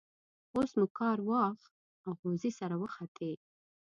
اوس مو کار واښ او غوزی سره وختی.